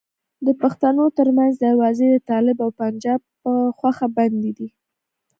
د پښتنو ترمنځ دروازې د طالب او پنجاب په خوښه بندي دي.